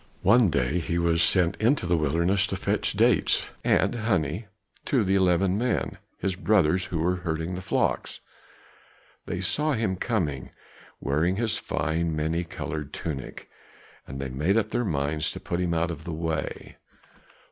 One day he was sent into the wilderness to fetch dates and honey to the eleven men, his brothers, who were herding the flocks; they saw him coming, wearing his fine, many colored tunic, and they made up their minds to put him out of the way."